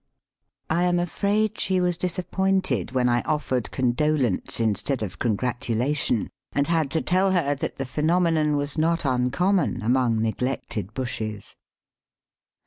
I am afraid she was disappointed when I offered condolence instead of congratulation, and had to tell her that the phenomenon was not uncommon among neglected bushes.